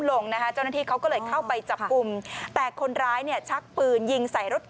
ลงนะคะเจ้าหน้าที่เขาก็เลยเข้าไปจับกลุ่มแต่คนร้ายเนี่ยชักปืนยิงใส่รถ